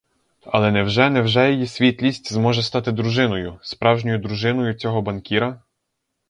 Але невже невже її світлість зможе стати дружиною, справжньою дружиною цього банкіра?!